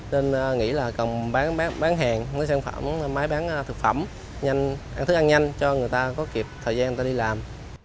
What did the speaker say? nên nghĩ là cần bán hàng máy bán thực phẩm ăn thức ăn nhanh cho người ta có kịp thời gian người ta đi làm